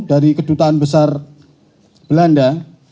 dari kedutaan besar belanda